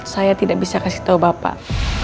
saya tidak bisa kasih tahu bapak